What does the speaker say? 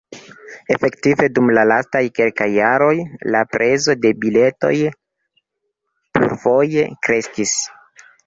Efektive, dum la lastaj kelkaj jaroj, la prezo de biletoj plurfoje kreskis.